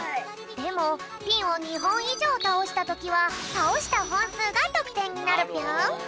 でもピンを２ほんいじょうたおしたときはたおしたほんすうがとくてんになるぴょん。